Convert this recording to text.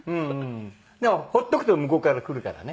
でも放っておくと向こうから来るからね。